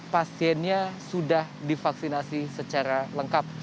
pasiennya sudah divaksinasi secara lengkap